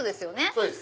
そうです。